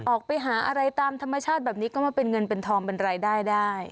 ออกไปหาอะไรตามธรรมชาติแบบนี้ก็มาเป็นเงินเป็นทองเป็นรายได้ได้